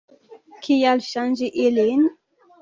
Kial ŝanĝi ilin?